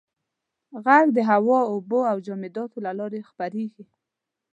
• ږغ د هوا، اوبو او جامداتو له لارې خپرېږي.